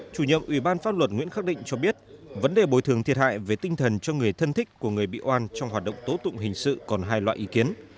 chủ nhiệm ủy ban pháp luật nguyễn khắc định cho biết vấn đề bồi thường thiệt hại về tinh thần cho người thân thích của người bị oan trong hoạt động tố tụng hình sự còn hai loại ý kiến